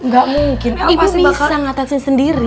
gak mungkin ibu pasti bisa ngatasin sendiri